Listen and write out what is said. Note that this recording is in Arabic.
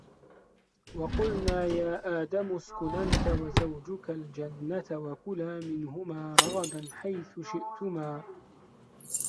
وَقُلْنَا يَا آدَمُ اسْكُنْ أَنْتَ وَزَوْجُكَ الْجَنَّةَ وَكُلَا مِنْهَا رَغَدًا حَيْثُ شِئْتُمَا